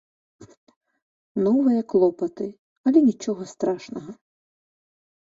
Новыя клопаты, але нічога страшнага.